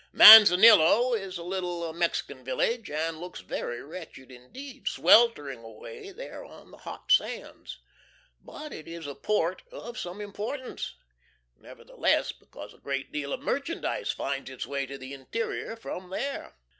Manzanillo is a little Mexican village, and looked very wretched indeed, sweltering away there on the hot sands. But it is a port of some importance, nevertheless, because a great deal of merchandise finds its way to the interior from there.